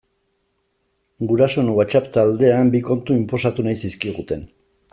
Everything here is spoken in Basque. Gurasoen WhatsApp taldean bi kontu inposatu nahi zizkiguten.